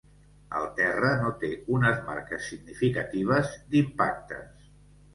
El terra no té unes marques significatives d'impactes.